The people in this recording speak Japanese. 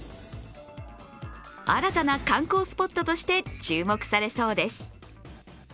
新たな観光スポットとして注目されそうです。